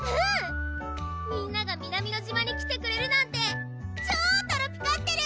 みんなが南乃島に来てくれるなんて超トロピカってる！